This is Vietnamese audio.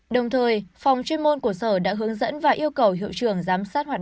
đồng thời phòng chuyên môn của sở đã hướng dẫn và yêu cầu hiệu trường giám sát hoạt